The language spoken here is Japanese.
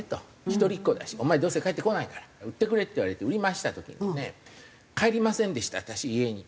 「一人っ子だしお前どうせ帰ってこないから売ってくれ」って言われて売りました時にですね帰りませんでした私家に。